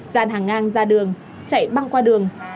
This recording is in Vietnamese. dàn hàng ngang ra đường chạy băng qua đường